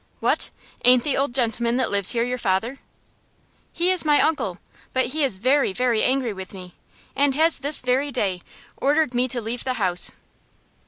"What! ain't the old gentleman that lives here your father?" "He is my uncle; but he is very, very angry with me, and has this very day ordered me to leave the house."